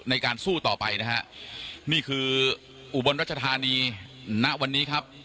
ในการสู้ต่อไปนะฮะนี่คืออุบลรัชธานีณวันนี้ครับ